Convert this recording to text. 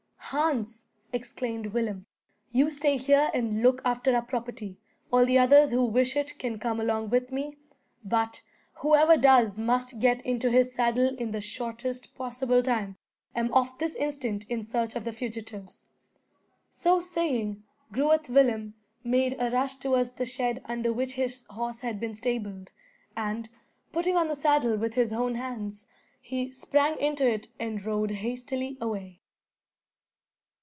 "Hans," exclaimed Willem, "you stay here and look after our property. All the others who wish it can come along with me; but whoever does must get into his saddle in the shortest possible time. I'm off this instant in search of the fugitives." So saying, Groot Willem made a rush towards the shed under which his horse had been stabled, and, putting on the saddle with his own hands, he sprang into it and rode hastily away.